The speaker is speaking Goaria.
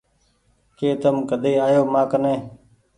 ڪه تم ڪۮي آيو مآ ڪني